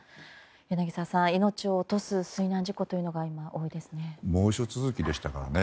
柳澤さん、命を落とす水難事故というのが猛暑続きでしたからね。